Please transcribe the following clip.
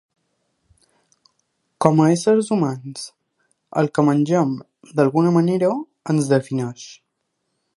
Com a éssers humans, el que mengem, d’alguna manera, ens defineix.